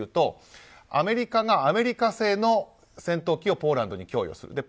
アメリカがアメリカ製の戦闘機をポーランドに供与する。